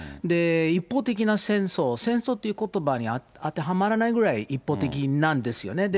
一方的な戦争、戦争っていうことばに当てはまらないぐらい、一方的なんですよね。